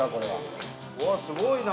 うわっすごいな！